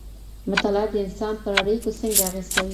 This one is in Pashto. مطالعه د انسان پر اړيکو څنګه اغېز کوي؟